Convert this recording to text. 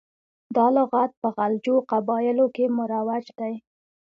دا لغات په غلجو قبایلو کې مروج دی.